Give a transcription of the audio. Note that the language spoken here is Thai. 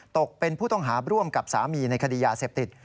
ตกเป็นผู้ต้องหาร่วมกับสามีในคดียาเสพติด